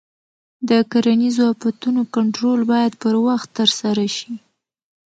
د کرنیزو آفتونو کنټرول باید پر وخت ترسره شي.